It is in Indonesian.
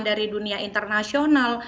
dari dunia internasional